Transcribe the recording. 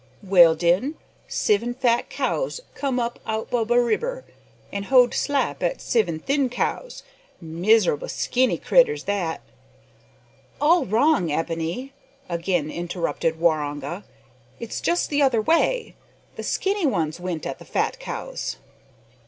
"Well, den, siven fat cows come up out ob a ribber, an' hoed slap at siven thin cows mis'rable skinny critters that " "All wrong, Ebony," again interrupted Waroonga. "It's just the other way. The skinny ones went at the fat ones."